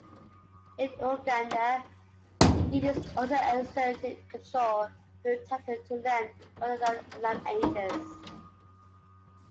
In Uganda, leaders also exerted control through title to land, rather than lineages.